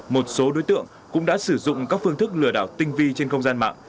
một số đối tượng cũng đã sử dụng các phương thức lừa đảo tinh vi trên không gian mạng